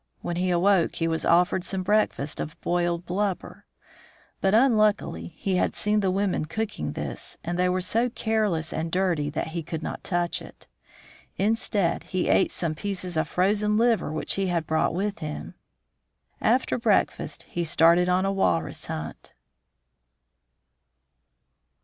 When he awoke he was offered some breakfast of boiled blubber. But, unluckily, he had seen the women cooking this, and they were so careless and dirty that he could not touch it. Instead he ate some pieces of frozen liver which he had brought with him. After breakfast he started on a walrus hunt.